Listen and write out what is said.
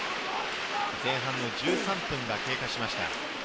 前半１３分が経過しました。